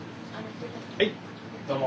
はいどうも！